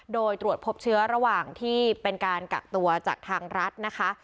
โดยตรวจพบเชื้อระหว่างที่เป็นการกักตัวจากทางรัฐนะคะ